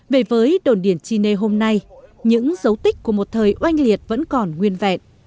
về với đồn điển chi nê hôm nay những dấu tích của một thời oanh liệt vẫn còn nguyên vẹn